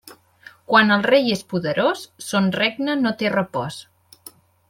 Quan el rei és poderós, son regne no té repòs.